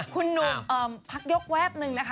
คุณหนุ่มทะกยกแวบหนึ่ง